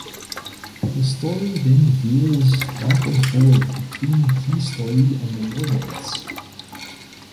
The story then veers back and forward between his story and the mermaid's.